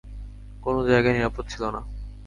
কোনো জায়গাই নিরাপদ ছিল না।